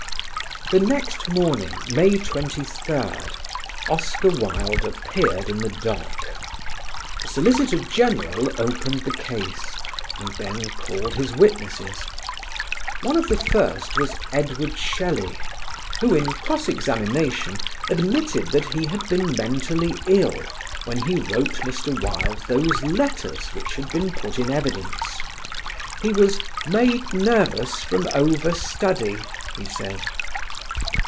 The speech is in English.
The next morning, May 23d, Oscar Wilde appeared in the dock. The Solicitor General opened the case, and then called his witnesses. One of the first was Edward Shelley, who in cross examination admitted that he had been mentally ill when he wrote Mr. Wilde those letters which had been put in evidence. He was "made nervous from over study," he said.